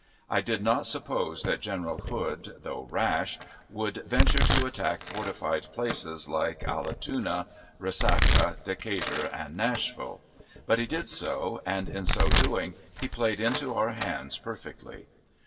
I did not suppose that General Hood, though rash, would venture to attack fortified places like Allatoona, Resaca, Decatur, and Nashville; but he did so, and in so doing he played into our hands perfectly.